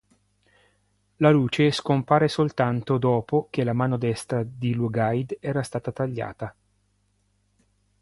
La luce scompare soltanto dopo che la mano destra di Lugaid era stata tagliata.